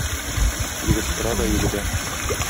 Егет тора да йөгерә.